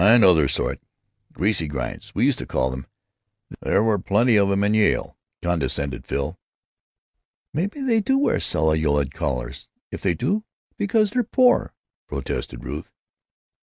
"Oh, I know their sort; 'greasy grinds' we used to call them; there were plenty of them in Yale," condescended Phil. "Maybe they wear celluloid collars—if they do—because they're poor," protested Ruth.